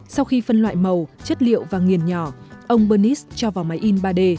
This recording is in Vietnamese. sau khi phân loại màu chất liệu và nghiền nhỏ ông bernis cho vào máy in ba d